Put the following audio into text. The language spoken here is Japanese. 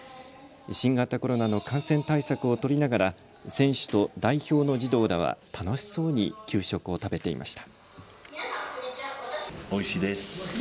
新型コロナの感染対策を取りながら選手と代表の児童らは楽しそうに給食を食べていました。